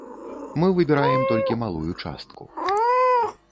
Мы выбіраем толькі малую частку.